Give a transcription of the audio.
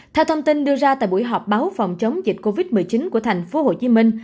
theo thông tin đưa ra tại buổi họp báo phòng chống dịch covid một mươi chín của thành phố hồ chí minh